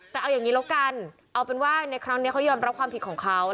แต่เอาอย่างนี้แล้วกันเอาเป็นว่าในครั้งนี้เขายอมรับความผิดของเขา